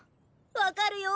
分かるよ！